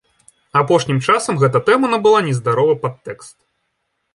Апошнім часам гэта тэма набыла нездаровы падтэкст.